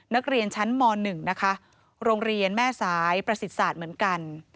นักเรียนชั้นม๑นะคะโรงเรียนแม่สายประสิทธิศาสตร์เหมือนกัน